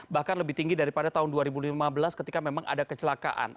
bahkan lebih tinggi daripada tahun dua ribu lima belas ketika memang ada kecelakaan